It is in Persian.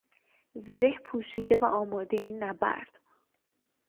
زره پوشیده و آمادهی نبرد